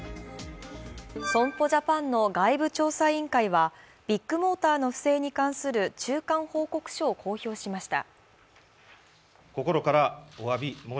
損保ジャパンの外部調査委員会はビッグモーターの不正に関する中間報告書を公表しました。